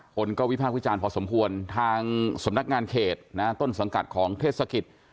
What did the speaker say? คนก็วิพากษ์วิจารณ์พอสมควรทางสำนักงานเขตต้นสังกัดของเทศกิจ